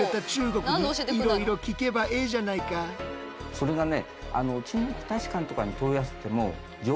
それがね